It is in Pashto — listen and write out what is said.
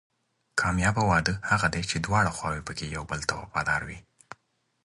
کامیابه واده هغه دی چې دواړه خواوې پکې یو بل ته وفادار وي.